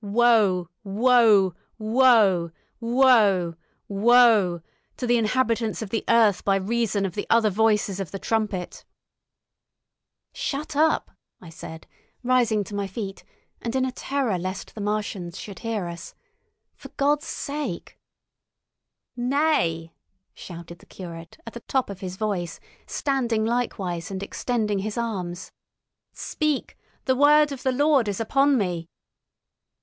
Woe! Woe! Woe! Woe! Woe! To the inhabitants of the earth by reason of the other voices of the trumpet——" "Shut up!" I said, rising to my feet, and in a terror lest the Martians should hear us. "For God's sake——" "Nay," shouted the curate, at the top of his voice, standing likewise and extending his arms. "Speak! The word of the Lord is upon me!"